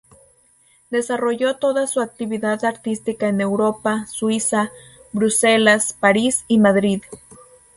Desarrolló toda su actividad artística en Europa: Suiza, Bruselas, París y Madrid.